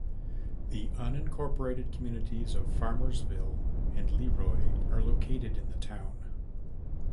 The unincorporated communities of Farmersville and LeRoy are located in the town.